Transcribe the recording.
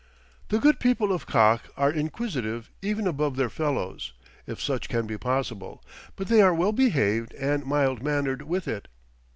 The good people of Kakh are inquisitive even above their fellows, if such can be possible, but they are well behaved and mild mannered with it.